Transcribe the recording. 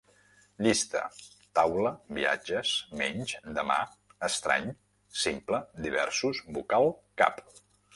Llista: taula, viatges, menys, demà, estrany, simple, diversos, vocal, cap